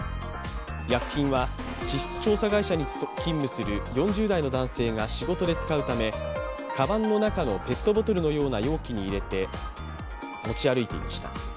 薬品は地質調査会社に勤務する４０台の男性が仕事で使うためかばんの中のペットボトルのような容器に入れて持ち歩いていました。